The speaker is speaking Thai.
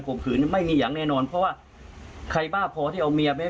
ขืนไม่มีอย่างแน่นอนเพราะว่าใครบ้าพอที่เอาเมียไป